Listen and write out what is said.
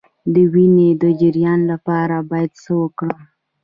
د وینې د جریان لپاره باید څه وکړم؟